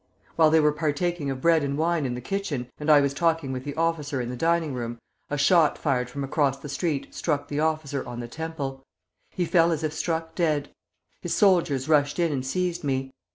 While they were partaking of bread and wine in the kitchen, and I was talking with the officer in the dining room, a shot fired from across the street struck the officer on the temple. He fell as if struck dead. His soldiers rushed in and seized me.